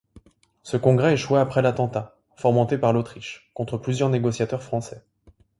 Ce congrès échoua après l'attentat, fomenté par l'Autriche, contre plusieurs négociateurs français.